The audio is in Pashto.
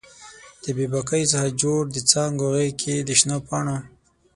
د بې باکیو څخه جوړ د څانګو غیږ کې د شنو پاڼو